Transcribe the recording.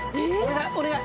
お願い！